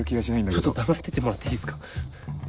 ちょっと黙っててもらっていいっすか。